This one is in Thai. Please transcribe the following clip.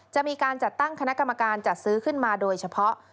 จะมีการจัดตั้งคณะกรรมการจัดซื้อขึ้นมาโดยเฉพาะ